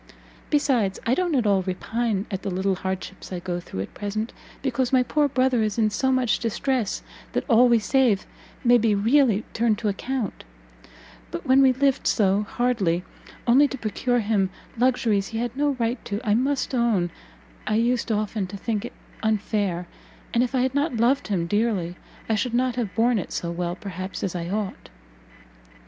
Besides, I don't at all repine at the little hardships I go through at present, because my poor brother is in so much distress, that all we save may be really turned to account; but when we lived so hardly only to procure him luxuries he had no right to, I must own I used often to think it unfair, and if I had not loved him dearly, I should not have borne it so well, perhaps, as I ought."